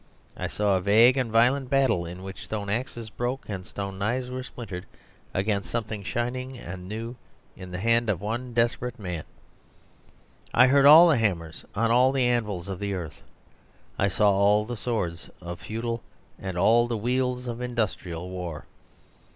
I saw a vague and violent battle, in which stone axes broke and stone knives were splintered against something shining and new in the hand of one desperate man. I heard all the hammers on all the anvils of the earth. I saw all the swords of Feudal and all the weals of Industrial war.